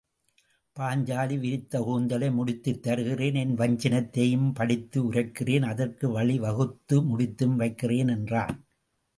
பாஞ்சாலி விரித்த கூந்தலை முடித்துத்தருகிறேன் என் வஞ்சினத்தையும்படித்து உரைக் கிறேன் அதற்கு வழி வகுத்து முடித்தும் வைக்கிறேன் என்றான்.